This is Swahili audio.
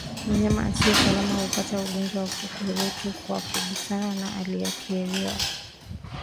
Mnyama aliye salama hupata ugonjwa wa ukurutu kwa kugusana na aliyeathirika